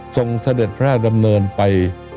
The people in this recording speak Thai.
เสด็จพระราชดำเนินไป